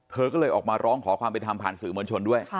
เธอก็เลยออกมาร้องขอความเป็นธรรมผ่านสื่อมวลชนด้วย